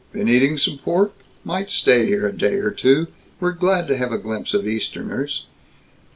Been eating some pork? Might stay here a day or two. We're glad to have a glimpse of Easterners."